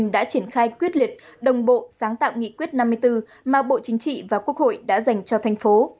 đã triển khai quyết liệt đồng bộ sáng tạo nghị quyết năm mươi bốn mà bộ chính trị và quốc hội đã dành cho thành phố